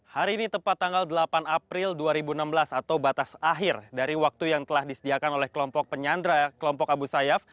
hari ini tepat tanggal delapan april dua ribu enam belas atau batas akhir dari waktu yang telah disediakan oleh kelompok penyandra kelompok abu sayyaf